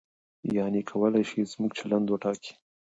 یعنې کولای شي زموږ چلند وټاکي.